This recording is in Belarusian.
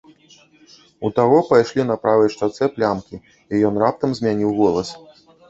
У таго пайшлі на правай шчацэ плямкі, і ён раптам змяніў голас.